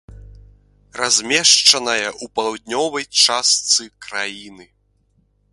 Размешчаная ў паўднёвай частцы краіны.